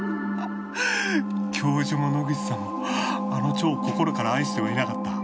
教授も野口さんもあの蝶を心から愛してはいなかった。